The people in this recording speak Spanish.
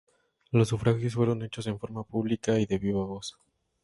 Los sufragios fueron hechos en forma pública y de viva voz.